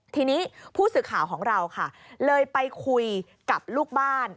ทีนี้ผู้สื่อข่าวของเราค่ะเลยไปคุยกับลูกบ้าน